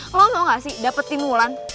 lo mau gak sih dapetin wulan